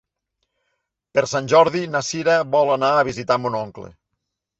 Per Sant Jordi na Sira vol anar a visitar mon oncle.